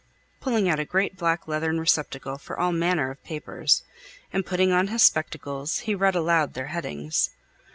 pulling out a great black leathern receptacle for all manner of papers. And putting on his spectacles, he read aloud their headings.